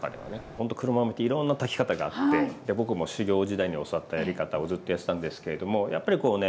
ほんと黒豆っていろんな炊き方があって僕も修業時代に教わったやり方をずっとやってたんですけれどもやっぱりこうね